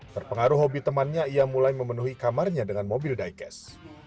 terpengaruh hobi temannya ia mulai memenuhi kamarnya dengan mobil diecast